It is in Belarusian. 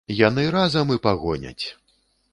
Яны разам і прагоняць.